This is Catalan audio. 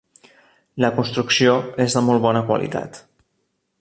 La construcció és de molt bona qualitat.